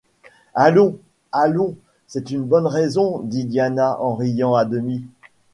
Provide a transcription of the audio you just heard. Allons, allons, c’est une bonne raison, dit Diana en riant à demi.